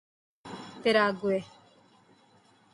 Paraguay